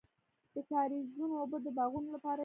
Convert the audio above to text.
د کاریزونو اوبه د باغونو لپاره دي.